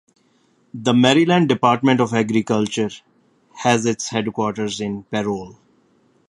The Maryland Department of Agriculture has its headquarters in Parole.